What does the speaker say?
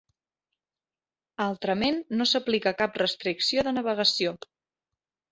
Altrament no s'aplica cap restricció de navegació.